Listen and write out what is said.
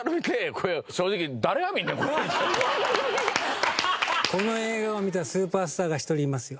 この映画を見たスーパースターが１人いますよ。